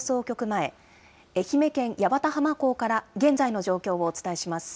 前、愛媛県八幡浜港から現在の状況をお伝えします。